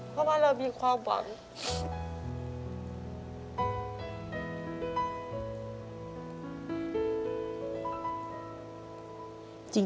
เพราะว่าเรามีความหวัง